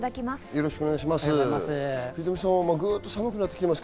よろしくお願いします。